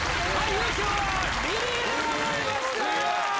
優勝はリリーでございました。